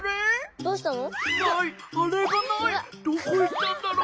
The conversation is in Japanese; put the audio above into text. どこ行ったんだろう？